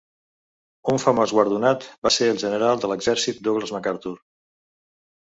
Un famós guardonat va ser el general de l'exèrcit Douglas MacArthur.